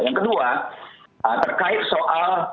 yang kedua terkait soal